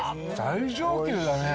最上級だね。